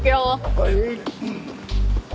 はい。